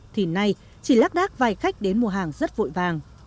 thì nay chỉ lác đác vài khách đến mua hàng rất vội vàng